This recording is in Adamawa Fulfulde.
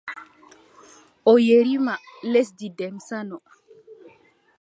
O yerima lesdi Demsa no.